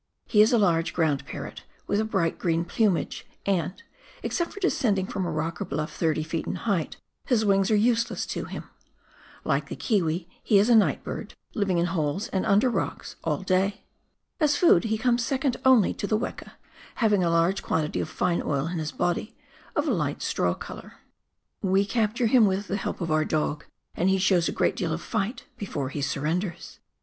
He is a large, ground parrot, with a bright green plumage, and, except for descending from a rock or bluff thirty feet in height, his wings are useless to him. Like the kiwi, he is a night bird, living in holes and under rocks all day. As food he comes second only to the weka, having a large quantity of fine oil in his body, of a light straw colour. We capture him with the help of our dog, and he shows a great deal of fight before he surrenders.